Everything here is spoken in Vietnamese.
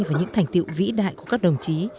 và những thành tiệu vĩ đại của các đồng chí